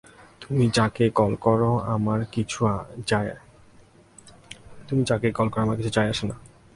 তুমি যাকেই কল কর, আমার কিছু যায়আসে না।